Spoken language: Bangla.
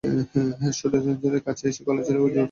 শ্রোডিঙ্গারের কাছে এসে গলা ছেড়ে গর্জে ওঠে কালো বিড়ালটা।